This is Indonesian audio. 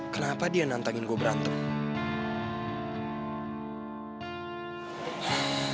kenapa dia nantangin gue berantem